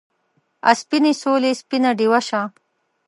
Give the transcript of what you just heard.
آ سپینې سولې سپینه ډیوه شه